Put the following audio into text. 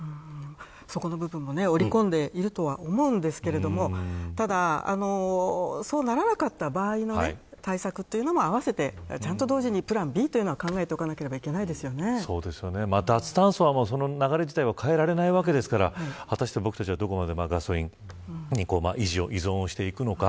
そこの部分も織り込んでいるとは思いますがそうならなかった場合の対策というのも合わせて同時にプランＢは考えておかなければ脱炭素は流れ自体は変えられないわけですから果たして僕たちはガソリンに依存していくのか。